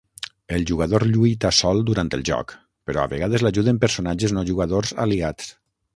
El jugador lluita sol durant el joc, però a vegades l’ajuden personatges no jugadors aliats.